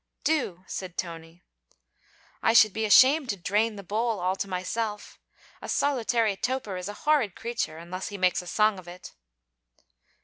'Do,' said Tony. 'I should be ashamed to "drain the bowl" all to myself: a solitary toper is a horrid creature, unless he makes a song of it.'